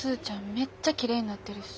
めっちゃきれいになってるし。